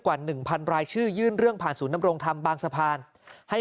กว่า๑๐๐รายชื่อยื่นเรื่องผ่านศูนย์นำรงธรรมบางสะพานให้